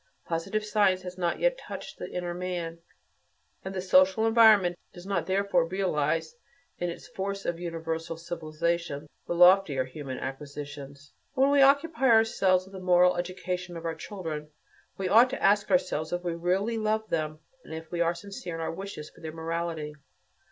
Positive science has not yet touched the inner man, and the social environment does not therefore realize, in its "force of universal civilization," the loftier human acquisitions. When we occupy ourselves with the "moral education" of our children, we ought to ask ourselves if we really love them and if we are sincere in our wishes for their "morality."